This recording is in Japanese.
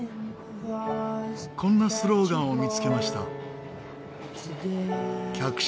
こんなスローガンを見つけました。